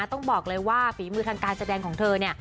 ต้องบอกเลยว่าฝีมือทางการแสดงของเธอเนี่ย